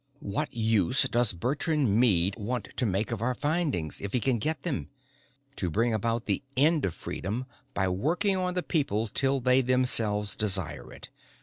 "What use does Bertrand Meade want to make of our findings if he can get them? To bring about the end of freedom by working on the people till they themselves desire it.